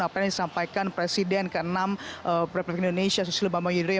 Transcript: apa yang disampaikan presiden ke enam republik indonesia susilo bambang yudhoyo